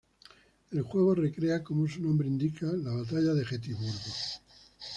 El juego recrea, como su nombre indica, la Batalla de Gettysburg.